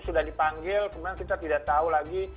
sudah dipanggil kemudian kita tidak tahu lagi